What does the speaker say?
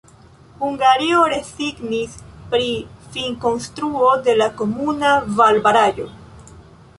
Hungario rezignis pri finkonstruo de la komuna valbaraĵo.